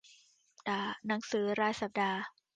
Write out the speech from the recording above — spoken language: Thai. หนังสือรายสัปดาห์